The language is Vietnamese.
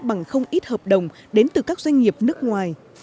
bằng không ít hợp đồng đến từ các doanh nghiệp nước ngoài